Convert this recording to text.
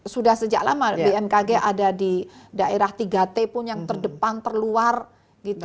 sudah sejak lama bmkg ada di daerah tiga t pun yang terdepan terluar gitu